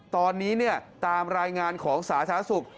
ตอนนี้ตามรายงานของสาธารณสุข